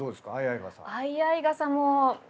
相合い傘も。